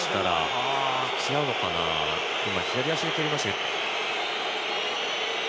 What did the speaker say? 今、左足で蹴りましたよね。